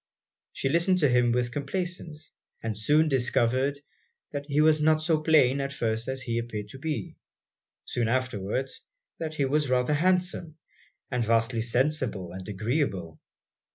She listened to him with complaisance; and soon discovered 'that he was not so plain as at first he appeared to be' soon afterwards, 'that he was rather handsome, and vastly sensible and agreeable.'